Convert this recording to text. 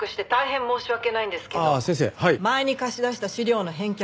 前に貸し出した資料の返却